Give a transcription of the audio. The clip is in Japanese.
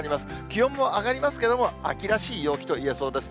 気温も上がりますけれども、秋らしい陽気といえそうです。